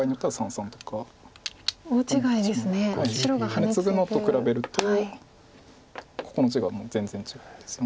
ハネツグのと比べるとここの地がもう全然違うんです。